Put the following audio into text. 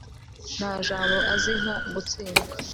nta jambo azi nka gutsindwa